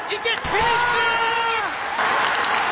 フィニッシュ！